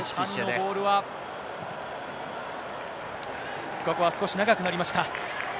ボールは、ここは少し長くなりました。